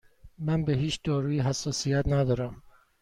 من به هیچ دارویی حساسیت ندارم.